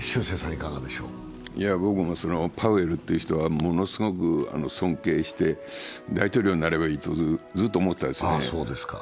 僕もパウエルという人はものすごく尊敬して大統領になればいいとずっと思ってたですね。